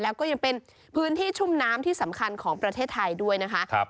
แล้วก็ยังเป็นพื้นที่ชุ่มน้ำที่สำคัญของประเทศไทยด้วยนะคะ